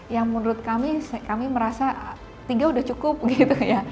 yang menurut kami kami merasa tiga sudah cukup gitu ya